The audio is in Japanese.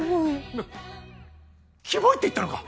今「キモい」って言ったのか？